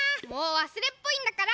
わすれっぽいんだから！